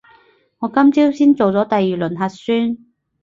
我今朝先做咗第二輪核酸